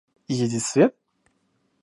Ездить в свет?